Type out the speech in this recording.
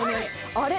あれ。